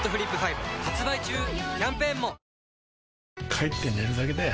帰って寝るだけだよ